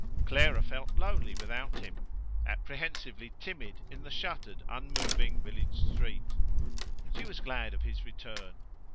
Clara felt lonely without him: apprehensively timid in the shuttered, unmoving village street. She was glad of his return.